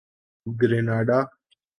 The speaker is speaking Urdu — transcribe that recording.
گریناڈا